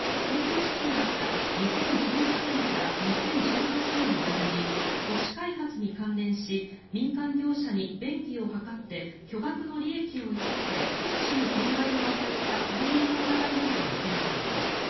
市長だった２０１３年から２０１８年の間に都市開発に関連し民間業者に便宜を図って巨額の利益を得させ市に損害を与えた背任の疑いなどが持たれています。